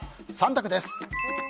３択です。